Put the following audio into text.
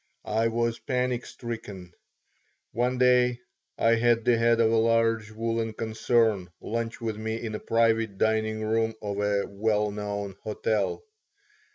I was panic stricken. One day I had the head of a large woolen concern lunch with me in a private dining room of a well known hotel.